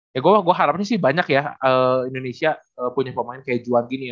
ya gue harapnya sih banyak ya indonesia punya pemain kayak juan gini ya